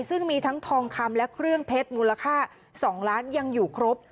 ซึ่งมีทั้งทองคำและเครื่องเพชรมูลค่า๒ล้านยังอยู่ครบ